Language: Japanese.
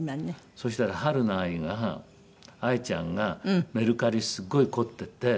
そしたらはるな愛が愛ちゃんがメルカリすごい凝ってて。